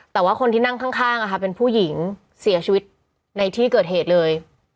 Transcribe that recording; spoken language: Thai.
แต่ว่าคนที่นั่งข้างเป็นผู้หญิงเสียชีวิตในที่เกิดเหตุเลย